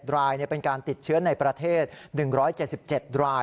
รายเป็นการติดเชื้อในประเทศ๑๗๗ราย